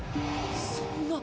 そんな。